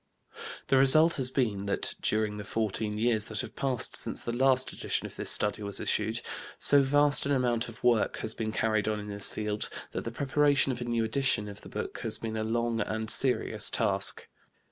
The result has been that, during the fourteen years that have passed since the last edition of this Study was issued, so vast an amount of work has been carried on in this field that the preparation of a new edition of the book has been a long and serious task.